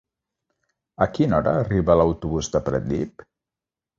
A quina hora arriba l'autobús de Pratdip?